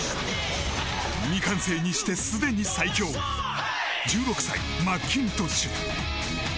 未完成にしてすでに最強１６歳、マッキントッシュ。